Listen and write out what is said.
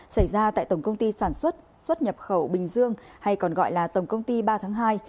xảy ra tại tổng công ty sản xuất xuất nhập khẩu bình dương hay còn gọi là tổng công ty ba tháng hai